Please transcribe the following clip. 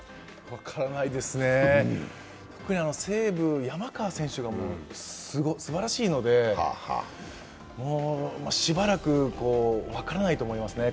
分からないですね、特に西武山川選手がすばらしいので、しばらく分からないと思いますね。